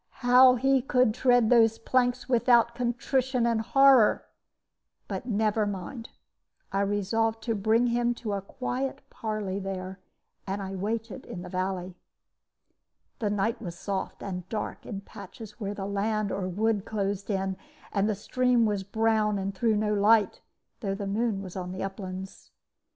How he could tread those planks without contrition and horror but never mind. I resolved to bring him to a quiet parley there, and I waited in the valley. "The night was soft, and dark in patches where the land or wood closed in; and the stream was brown and threw no light, though the moon was on the uplands.